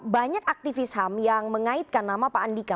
banyak aktivis ham yang mengaitkan nama pak andika